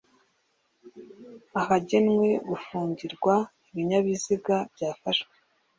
Ahagenwe gufungirwa ibinyabiziga byafashwe